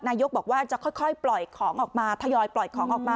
นายกบอกว่าจะค่อยปล่อยของออกมาทยอยปล่อยของออกมา